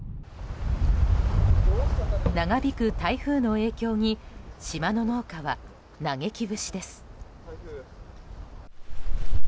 長引く台風の影響に、島の農家は嘆き節です。